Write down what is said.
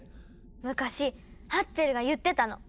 昔ハッチェルが言ってたの。